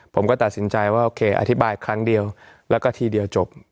ผมก็ตัดสินใจว่าโอเคอธิบายครั้งเดียวแล้วก็ทีเดียวจบ